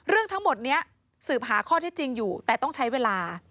เรื่องทั้งหมดนี้สืบหาข้อเท็จจริงอยู่แต่ต้องใช้เวลา